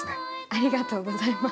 ありがとうございます。